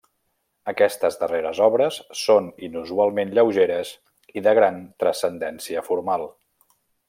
Aquestes darreres obres són inusualment lleugeres i de gran transcendència formal.